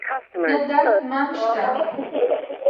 نه درد مان شته